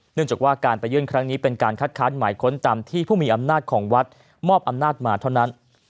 เนื่องจากว่าการไปยื่นครั้งนี้เป็นการคัดค้านหมายค้นตามที่ผู้มีอำนาจของวัดมอบอำนาจมาเท่านั้น